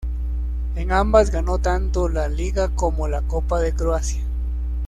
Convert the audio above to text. En ambas ganó tanto la liga como la Copa de Croacia.